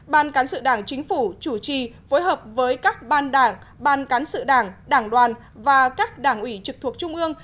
ban cán sự đảng chính phủ chủ trì phối hợp với các ban đảng ban cán sự đảng đảng đoàn và các đảng ủy trực thuộc trung ương